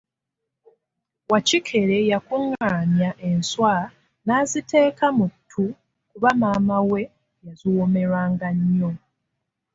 Wakikere yakunganya enswa naaziteeka muttu kuba maama we yaziwomerwanga nnyo.